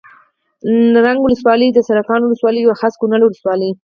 نرنګ ولسوالي سرکاڼو ولسوالي او خاص کونړ ولسوالي